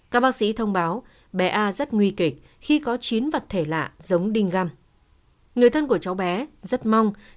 các bác sĩ thông báo bé a rất nguy kịch khi có chín vật thể lạ giống đinh găm